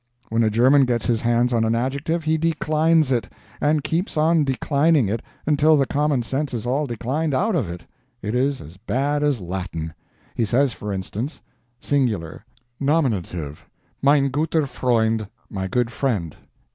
When a German gets his hands on an adjective, he declines it, and keeps on declining it until the common sense is all declined out of it. It is as bad as Latin. He says, for instance: SINGULAR Nominative Mein gutER Freund, my good friend.